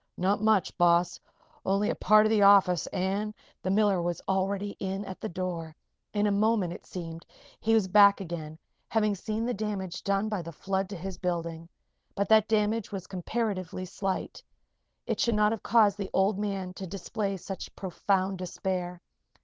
"Not much, boss. Only a part of the office an' " The miller was already in at the door. In a moment, it seemed, he was back again, having seen the damage done by the flood to his building. But that damage was comparatively slight. It should not have caused the old man to display such profound despair.